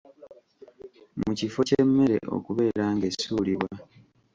Mu kifo ky’emmere okubeera ng’esuulibwa.